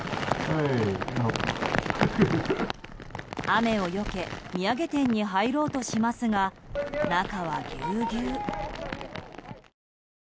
雨をよけ土産店に入ろうとしますが中はぎゅうぎゅう。